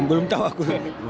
belum tahu aku